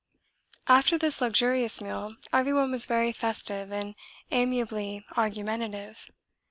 After this luxurious meal everyone was very festive and amiably argumentative.